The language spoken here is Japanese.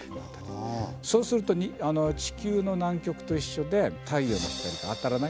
そうすると地球の南極と一緒で太陽の光が当たらない。